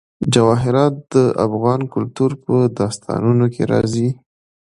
جواهرات د افغان کلتور په داستانونو کې راځي.